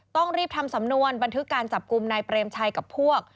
ต้องรีบทำสำนวนบันทึกการจับกลุ่มนายเปรมชัยกับพวก